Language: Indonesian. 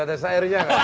ada seirnya nggak